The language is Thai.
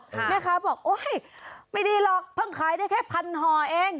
แม่ค้าบอกโอ๊ยไม่ดีหรอกเพิ่งขายได้แค่พันห่อเอง